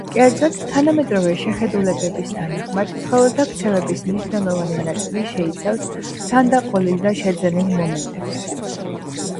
კერძოდ, თანამედროვე შეხედულებების თანახმად, ცხოველთა ქცევების მნიშვნელოვანი ნაწილი შეიცავს თანდაყოლილ და შეძენილ მომენტებს.